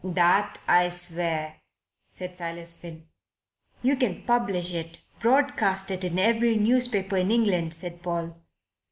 "That I swear," said Silas Finn. "You can publish it broadcast in every newspaper in England," said Paul.